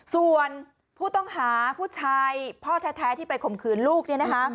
ส่วนผู้ต้องหาผู้ชายพ่อแท้ที่ไปข่มขืนลูก